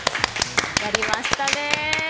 やりましたね。